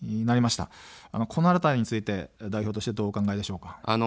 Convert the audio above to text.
このあたりについて代表としてはどうお考えでしょうか。